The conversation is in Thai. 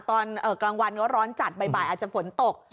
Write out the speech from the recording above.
ตอนกลางวันก็ร้อนจัดบ่ายอาจจะฝนตก